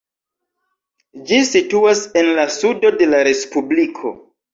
Ĝi situas en la sudo de la respubliko.